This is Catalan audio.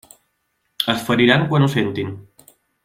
Es feriran quan ho sentin.